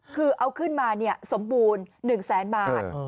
คือเอาขึ้นมาสมบูรณ์๑แสนบาท